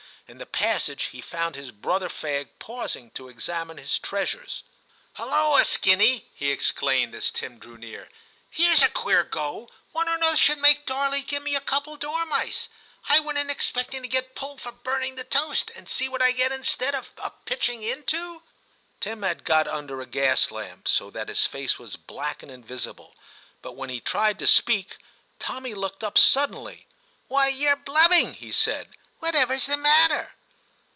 In the passage he found his brother fag pausing to examine his treasures. ' HuUoa, Skinny !' he exclaimed, as Tim drew near, ' here's a queer go : what on earth should make Darley give me a couple of dor mice ? I went in expecting to get pulled for burning the toast, and see what I get instead of a pitching into.' Tim had got under a gas lamp, so that his face was black and invisible, but when he tried to speak. Tommy looked up suddenly. *Why, you're blubbing,' he said; *what ever's the matter